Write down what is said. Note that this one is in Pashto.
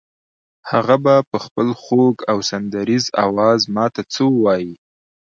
هغه به په خپل خوږ او سندریزه آواز ماته څه ووایي.